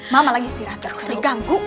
mama lagi istirahat terus jadi ganggu